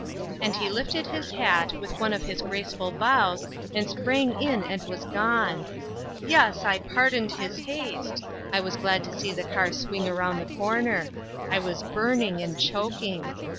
"And he lifted his hat, with one of his graceful bows, and sprang in and was gone. Yes, I pardoned his haste ! I was glad to see the car swing around the cor ner. I was burning and choking.